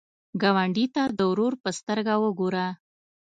ګاونډي ته د ورور په سترګه وګوره